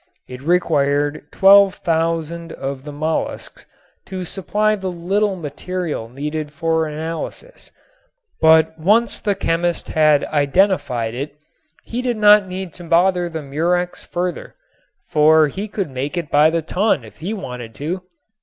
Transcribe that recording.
It required 12,000 of the mollusks to supply the little material needed for analysis, but once the chemist had identified it he did not need to bother the Murex further, for he could make it by the ton if he had wanted to.